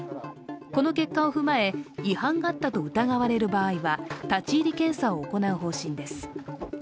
この結果を踏まえ、違反があったと疑われる場合は立ち入り検査を行う方針です。